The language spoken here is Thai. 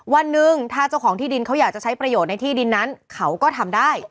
วันหนึ่งถ้าเจ้าของที่ดินเขาอยากจะใช้ประโยชน์ในที่ดินนั้นเขาก็ทำได้